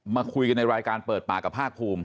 มาคุยกันในรายการเปิดปากกับภาคภูมิ